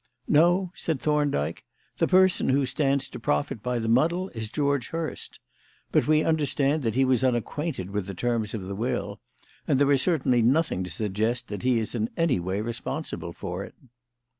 "No," said Thorndyke; "the person who stands to profit by the muddle is George Hurst. But we understand that he was unacquainted with the terms of the will, and there is certainly nothing to suggest that he is in any way responsible for it."